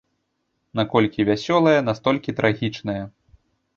Наколькі вясёлае, настолькі трагічнае.